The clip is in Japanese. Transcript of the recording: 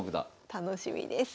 楽しみです。